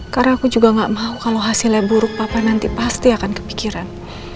karena aku juga gak mau kalau hasil lab buruk papa nanti pasti akan kepikiran